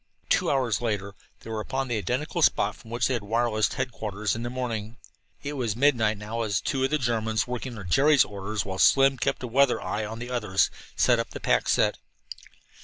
Two hours later they were upon the identical spot from which they had wirelessed headquarters in the morning. It was midnight now as two of the Germans, working under Jerry's orders while Slim kept a weather eye on the others, set up the pack set.